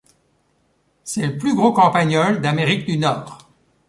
C'est le plus gros campagnol d'Amérique du Nord.